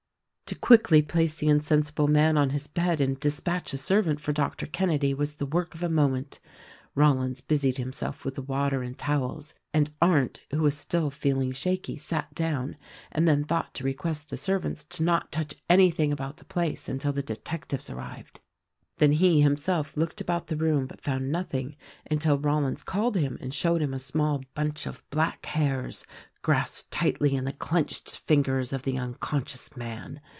To quickly place the insensible man on his bed and dispatch a servant for Doctor Kenedy was the work of a moment. Rollins busied himself with the water and towels, and Arndt — who was still feeling shaky — sat down, and then thought to request the servants to not touch any thing about the place until the detectives arrived. Then he himself looked about the room but found nothing until Rollins called him and showed a small bunch of black hairs grasped tightly in the clenched fingers of the unconscious man.